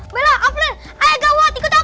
belah aflir ayo gawat ikut aku